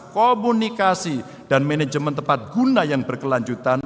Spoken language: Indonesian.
komunikasi dan manajemen tempat guna yang berkelanjutan